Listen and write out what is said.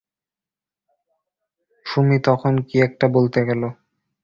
সুমী তখন কী একটা বলতে গেল!